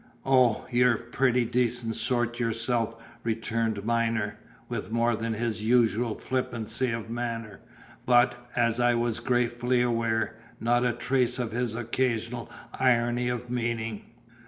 "O, you're a pretty decent sort yourself," returned Myner, with more than his usual flippancy of manner, but (as I was gratefully aware) not a trace of his occasional irony of meaning.